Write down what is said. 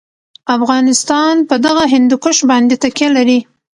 افغانستان په دغه هندوکش باندې تکیه لري.